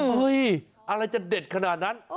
อะไรจะเด็ดขนาดนั้น